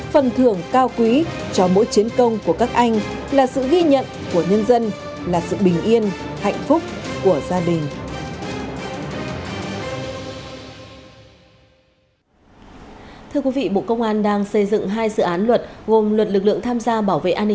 phần thưởng cao quý cho mỗi chiến công của các anh là sự ghi nhận